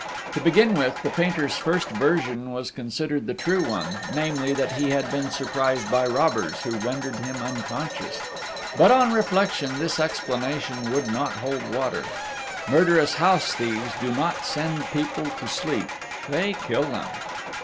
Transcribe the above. To begin with, the painter's first version was considered the true one, namely, that he had been surprised by robbers, who rendered him unconscious; but, on reflection, this explanation would not hold water. Murderous house thieves do not send people to sleep: they kill them.